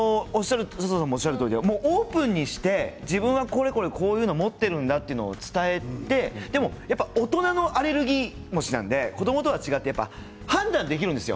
おっしゃるとおりオープンにして自分はこういうのを持っているんだと伝えて大人のアレルギー持ちなので子どもと違って判断できるんです。